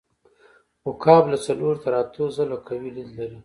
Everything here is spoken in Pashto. عقاب له څلور تر اتو ځله قوي لید لري.